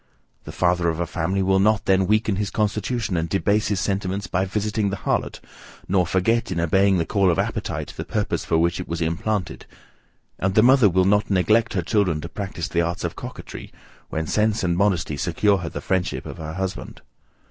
The father of a family will not then weaken his constitution and debase his sentiments, by visiting the harlot, nor forget, in obeying the call of appetite, the purpose for which it was implanted; and the mother will not neglect her children to practise the arts of coquetry, when sense and modesty secure her the friendship of her husband.